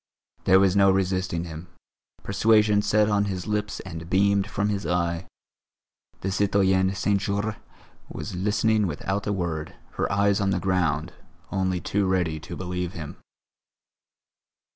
There was no resisting him; persuasion sat on his lips and beamed from his eye. The citoyenne Saint Jorre was listening without a word, her eyes on the ground, only too ready to believe him.